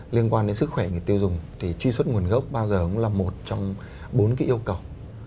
liên quan đến sức khỏe người tiêu dùng thì truy xuất nguồn gốc bao giờ cũng là một trong bốn cái yêu cầu